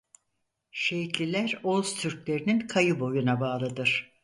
Şehitliler Oğuz Türklerinin Kayı boyuna bağlıdır.